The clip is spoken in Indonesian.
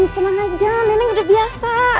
hitungan aja nenek udah biasa